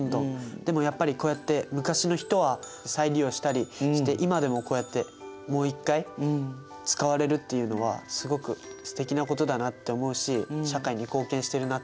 でもやっぱりこうやって昔の人は再利用したりして今でもこうやってもう一回使われるっていうのはすごくすてきなことだなって思うし社会に貢献してるなって思います。